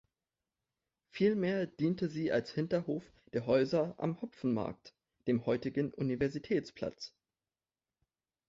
Vielmehr diente sie als Hinterhof der Häuser am Hopfenmarkt, dem heutigen Universitätsplatz.